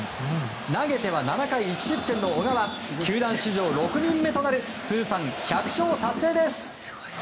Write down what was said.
投げては７回１失点の小川球団史上６人目となる通算１００勝達成です。